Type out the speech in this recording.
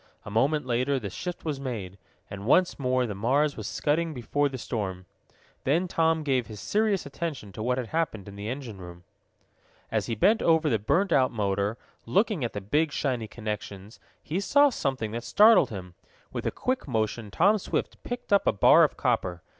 A moment later the shift was made, and once more the Mars was scudding before the storm. Then Tom gave his serious attention to what had happened in the engine room. As he bent over the burned out motor, looking at the big shiny connections, he saw something that startled him. With a quick motion Tom Swift picked up a bar of copper.